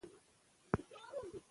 مور د ماشوم د پاکۍ وسايل برابروي.